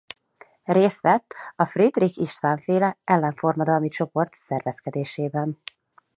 Részt vett a Friedrich István féle ellenforradalmi csoport szervezkedésében.